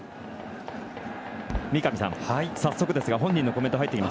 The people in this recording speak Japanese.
三上さん、早速ですが本人のコメントです。